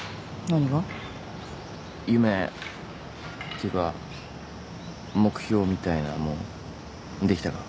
夢っていうか目標みたいなもんできたから。